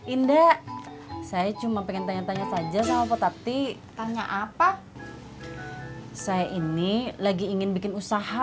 indah saya cuma pengen tanya tanya saja sama petati tanya apa saya ini lagi ingin bikin usaha